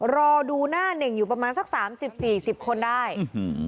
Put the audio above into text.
รอดูหน้าเน่งอยู่ประมาณสักสามสิบสี่สิบคนได้อื้อหือ